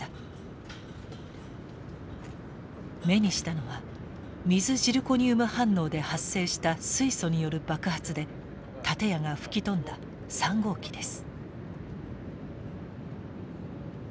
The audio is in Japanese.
目にしたのは水ジルコニウム反応で発生した水素による爆発で建屋が吹き飛んだ３号機です。